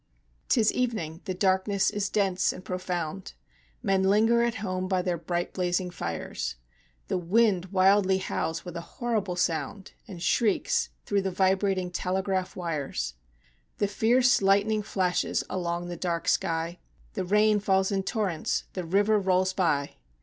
'Tis evening the darkness is dense and profound; Men linger at home by their bright blazing fires; The wind wildly howls with a horrible sound, And shrieks through the vibrating telegraph wires; The fierce lightning flashes along the dark sky; The rain falls in torrents; the river rolls by.